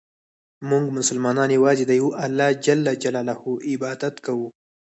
مونږ مسلمانان یوازې د یو الله ج عبادت کوو.